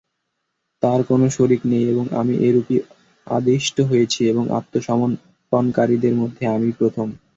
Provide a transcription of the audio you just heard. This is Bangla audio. তাঁর কোন শরীক নেই এবং আমি এরূপই আদিষ্ট হয়েছি এবং আত্মসমর্পণকারীদের মধ্যে আমিই প্রথম।